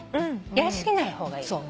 やりすぎない方がいい。